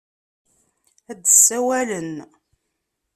Ad d-sawalen.